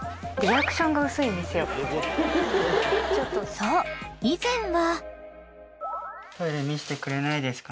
［そう以前は］